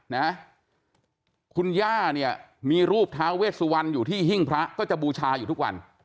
นะคุณย่าเนี่ยมีรูปท้าเวสวรรณอยู่ที่หิ้งพระก็จะบูชาอยู่ทุกวัน